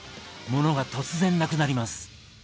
モノが突然なくなります。